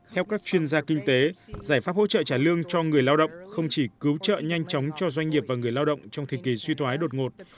theo các chuyên gia kinh tế giải pháp hỗ trợ trả lương cho người lao động không chỉ cứu trợ nhanh chóng cho doanh nghiệp và người lao động trong thời kỳ suy thoái đột ngột